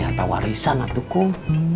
harta warisan atu kum